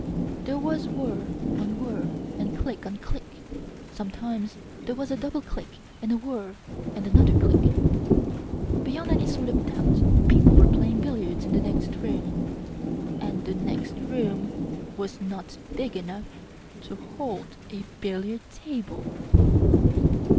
There was whir on whir and click on click. Sometimes there was a double click and a whir and another click. Beyond any sort of doubt, people were playing billiards in the next room. And the next room was not big enough to hold a billiard table!